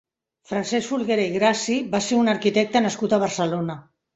Francesc Folguera i Grassi va ser un arquitecte nascut a Barcelona.